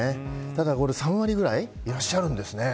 ただ３割ぐらいいらっしゃるんですね。